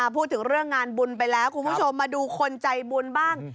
พูดถึงเรื่องงานบุญไปแล้วคุณผู้ชมมาดูคนใจบุญบ้าง